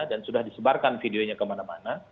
dan sudah disebarkan videonya kemana mana